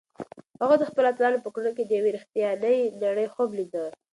هغه د خپلو اتلانو په کړنو کې د یوې رښتیانۍ نړۍ خوب لیده.